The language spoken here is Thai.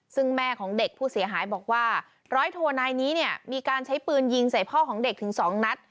ซึ่งแม่ของเด็กผู้เสียหายบอกว่าร้อยโทนายนี้เนี่ยมีการใช้ปืนยิงใส่พ่อของเด็กถึงสองนัด